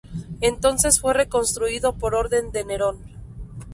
Entonces fue reconstruido por orden de Nerón.